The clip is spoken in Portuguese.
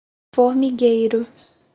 Formigueiro